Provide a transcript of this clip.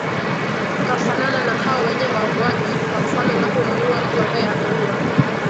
tukafanana na hao wenyewe wauwaji kwa mfano unapomuuwa mtu ambaye ameuwa